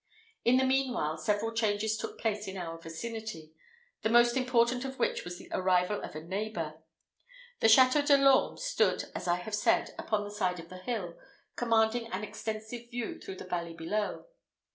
In the meanwhile, several changes took place in our vicinity; the most important of which was the arrival of a neighbour. The Château de l'Orme stood, as I have said, upon the side of the hill, commanding an extensive view through the valley below.